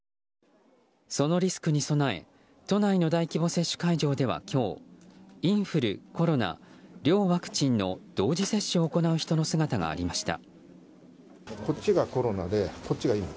そのリスクに備え都内の大規模接種会場では、今日インフル、コロナ両ワクチンの同時接種を行う人の姿がありました。